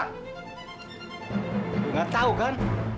lo nggak tau kan